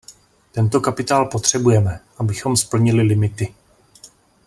Tento kapitál potřebujeme, abychom splnili limity.